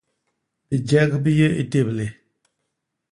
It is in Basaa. Bijek bi yé i téblé.